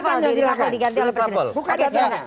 diri safal diganti oleh presiden